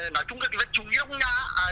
nói chung là cái vật chú ý đông nhà